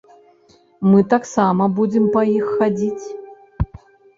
Мы таксама будзем па іх хадзіць!